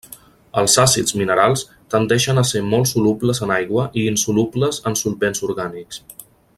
Els àcids minerals tendeixen a ser molt solubles en aigua i insolubles en solvents orgànics.